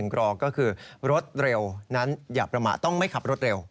กรองก็คือรถเร็วนั้นอย่าประมาทต้องไม่ขับรถเร็ว